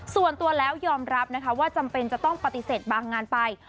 ส่วนตัวแล้วยอมรับนะคะว่าจำเป็นจะต้องปฏิเสธบางงานไป